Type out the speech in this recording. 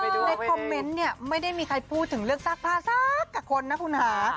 ในคอมเมนต์เนี่ยไม่ได้มีใครพูดถึงเรื่องซากผ้าสักกับคนนะคุณค่ะ